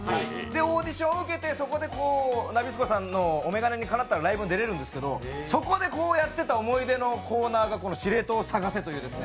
オーディション受けて、ナビスコさんのお眼鏡にかなったらライブに出れるんですけど、そこでやってた思い出の品が「司令塔を探せ」という。